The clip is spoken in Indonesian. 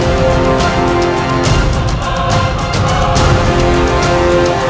orang yang augensial